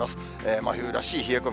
真冬らしい冷え込み。